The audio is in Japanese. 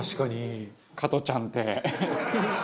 加トちゃんって」